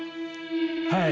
はい。